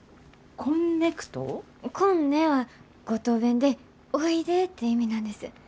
「こんね」は五島弁でおいでって意味なんです。